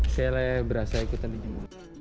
sele berasa ikutan dijemur